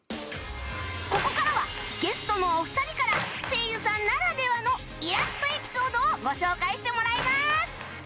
ここからはゲストのお二人から声優さんならではのイラッとエピソードをご紹介してもらいます